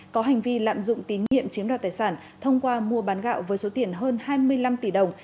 có hành vi lạm dụng tín nhiệm chiếm đoạt tài sản thông qua mua bán gạo với số tiền hơn hai mươi năm tỷ đồng